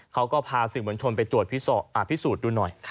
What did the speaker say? เขาก็พาสื่อมวลชนไปตรวจพิสูจน์ดูหน่อย